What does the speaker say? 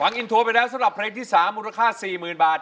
ฟังอินโทรไปแล้วสำหรับเพลงที่สามมูลค่าสี่หมื่นบาท